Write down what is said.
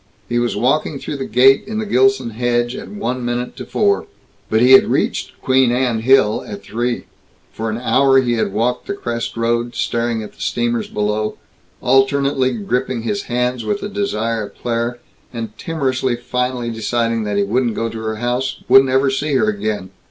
He was walking through the gate in the Gilson hedge at one minute to four. But he had reached Queen Anne Hill at three. For an hour he had walked the crest road, staring at the steamers below, alternately gripping his hands with desire of Claire, and timorously finally deciding that he wouldn't go to her house wouldn't ever see her again.